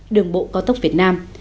đường bộ cao thốc việt nam